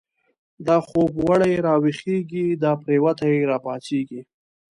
دا خوب و ړی را ویښیږی، دا پریوتی را پاڅیږی